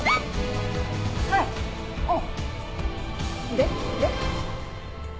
で？で？